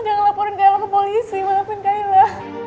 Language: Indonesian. jangan laporin kaila ke polisi maafin kaila